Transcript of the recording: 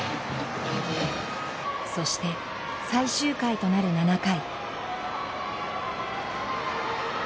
そして、最終回となる７回。